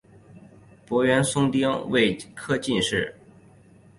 阮寿松丁未科进士。